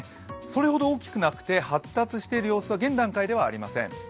それほど大きくなくて発達している様子は現段階ではありません。